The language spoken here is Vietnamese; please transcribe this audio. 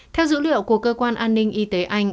theo dữ liệu của cơ quan an ninh y tế anh